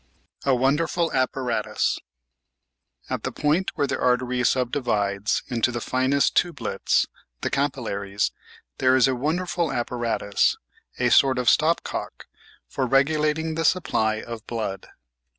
A Wonderful Apparatus At the point where the artery subdivides into the finest tubelets (the capillaries), there is a wonderful apparatus, a sort of "stopcock," for regulating the supply of blood.